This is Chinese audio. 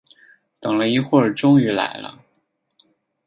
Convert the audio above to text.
等了一会儿终于来了